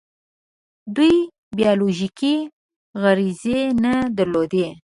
دوی بیولوژیکي غریزې نه درلودې.